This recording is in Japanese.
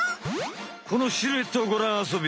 このシルエットをごらんあそべ。